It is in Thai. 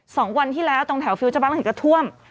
สองวันที่แล้วตรงแถวฟิวเจอร์ปาร์ครังสิตก็ท่วม